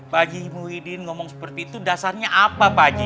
pak haji mudin ngomong seperti itu dasarnya apa pak haji